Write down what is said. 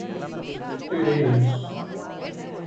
Pereiras